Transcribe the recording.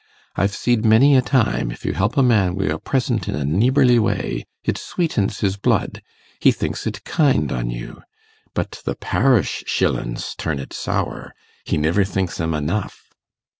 I've see'd many a time, if you help a man wi' a present in a neeborly way, it sweetens his blood he thinks it kind on you; but the parish shillins turn it sour he niver thinks 'em enough.